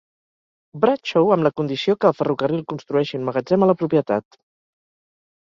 Bradshaw amb la condició que el ferrocarril construeixi un magatzem a la propietat.